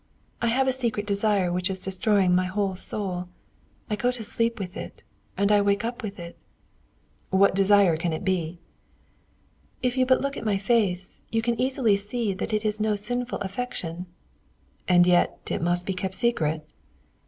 I have a secret desire which is destroying my whole soul: I go to sleep with it, and I wake up with it." "What desire can it be?" "If you but look at my face, you can easily see that it is no sinful affection." "And yet it must be kept secret?"